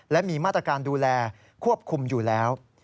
และมีมาตรการดูแลควบคุมอยู่แล้ว